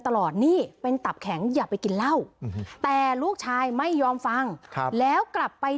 ตลอดนี่เป็นตับแข็งอย่าไปกินเหล้าแต่ลูกชายไม่ยอมฟังแล้วกลับไป